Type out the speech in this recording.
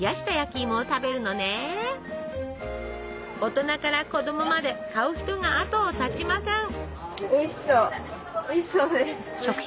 大人から子供まで買う人があとを絶ちません。